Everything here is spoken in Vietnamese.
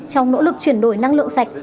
trong nỗ lực chuyển đổi năng lượng sạch